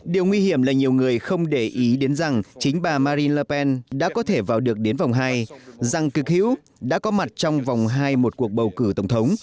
điều nguy hiểm là nhiều người không để ý đến rằng chính bà marin lapen đã có thể vào được đến vòng hai rằng cực hữu đã có mặt trong vòng hai một cuộc bầu cử tổng thống